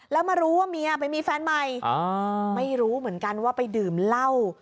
เหยื่อมเหล้าเหยื่อมเหล้า